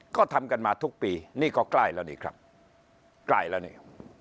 ก็ทำกันมาทุกปีนี่ก็ใกล้แล้วนี่ครับใกล้แล้วนี่